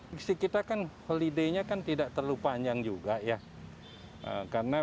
diksi kita kan holiday nya kan tidak terlalu panjang juga ya